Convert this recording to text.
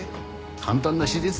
簡単な手術だ。